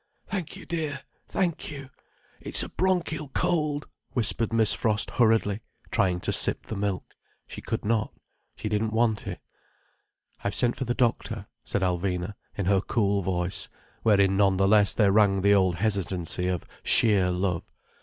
"Thank you, dear, thank you. It's a bronchial cold," whispered Miss Frost hurriedly, trying to sip the milk. She could not. She didn't want it. "I've sent for the doctor," said Alvina, in her cool voice, wherein none the less there rang the old hesitancy of sheer love.